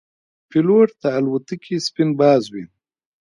پیلوټ د الوتکې سپین باز وي.